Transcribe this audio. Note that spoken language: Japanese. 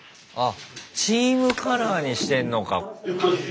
チームカラーにしてんのか。